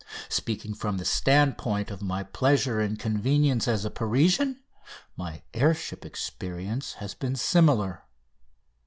Speaking from the standpoint of my pleasure and convenience as a Parisian my air ship experience has been similar.